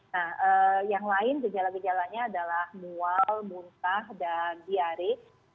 nah yang lain gejala gejalanya adalah mual muntah dan diare